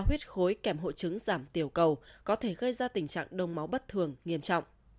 huyết khối kèm hội chứng giảm tiểu cầu có thể gây ra tình trạng đông máu bất thường nghiêm trọng